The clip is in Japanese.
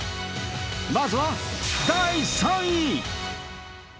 まずは第３位。